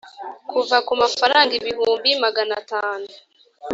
kuva ku mafaranga ibihumbi magana atanu